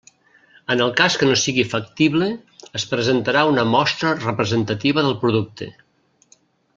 En el cas que no sigui factible es presentarà una mostra representativa del producte.